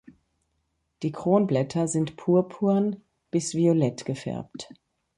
Die Kronblätter sind purpurn bis violett gefärbt.